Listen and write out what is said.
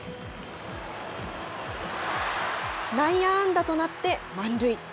内野安打となって満塁。